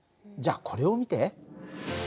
じゃあこれを見て。